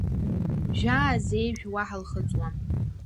Жәаа, зежә, уаҳа лхыҵуам.